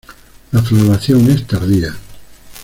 La floración es tardía.